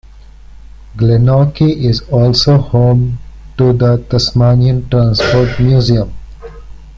Glenorchy is also home to the Tasmanian Transport Museum.